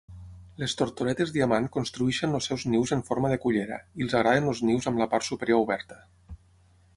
Les tortoretes diamant construeixen els seus nius en forma de cullera, i els agraden els nius amb la part superior oberta.